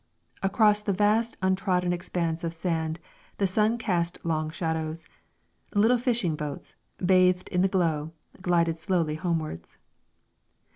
Across the vast, untrodden expanse of sand the sun cast long shadows; little fishing boats, bathed in the glow, glided slowly homewards.